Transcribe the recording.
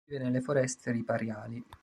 Vive nelle foreste ripariali.